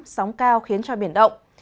sóng cao khiến cho biển động